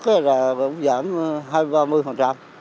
cũng giảm hơn ba mươi